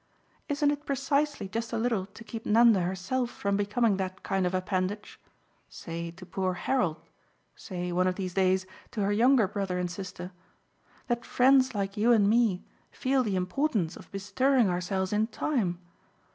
Isn't it precisely just a little to keep Nanda herself from becoming that kind of appendage say to poor Harold, say, one of these days, to her younger brother and sister that friends like you and me feel the importance of bestirring ourselves in time?